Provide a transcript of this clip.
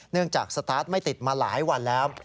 จากสตาร์ทไม่ติดมาหลายวันแล้ว